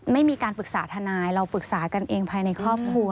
ไม่มีการปรึกษาทนายเราปรึกษากันเองภายในครอบครัว